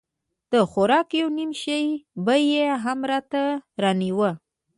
د خوراک يو نيم شى به يې هم راته رانيوه.